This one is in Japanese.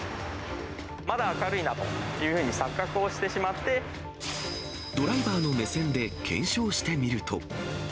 まだ明るいなというふうに錯ドライバーの目線で検証してみると。